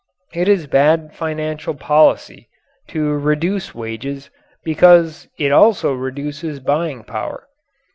It is bad financial policy to reduce wages because it also reduces buying power.